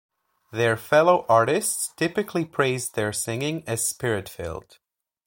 Their fellow artists typically praised their singing as spirit-filled.